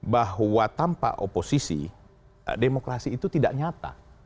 bahwa tanpa oposisi demokrasi itu tidak nyata